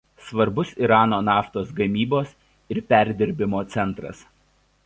Svarbus Irano naftos gavybos ir perdirbimo centras.